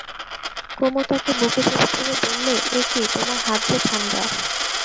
কুমু তাকে বুকে চেপে ধরে বললে, এ কী, তোমার হাত যে ঠাণ্ডা!